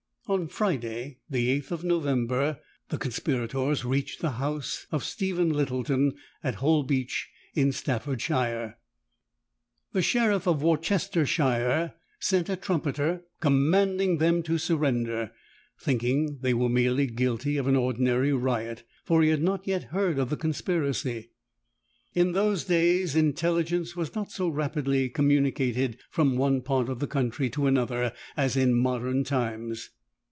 On Friday, the 8th of November, the conspirators reached the house of Stephen Littleton, at Holbeach, in Staffordshire. The sheriff of Worcestershire sent a trumpeter commanding them to surrender, thinking that they were merely guilty of an ordinary riot, for he had not yet heard of the conspiracy. In those days intelligence was not so rapidly communicated, from one part of the country to another, as in modern times.